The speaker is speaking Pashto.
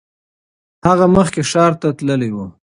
هغه مخکې ښار ته تللی و.